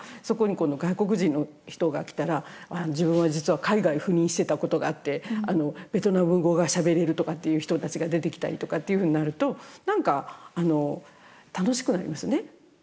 そこに今度外国人の人が来たら自分は実は海外赴任してたことがあってベトナム語がしゃべれるとかっていう人たちが出てきたりとかっていうふうになると何か楽しくなりますね。